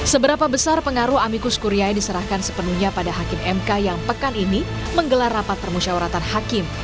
seberapa besar pengaruh amikus kurya diserahkan sepenuhnya pada hakim mk yang pekan ini menggelar rapat permusyawaratan hakim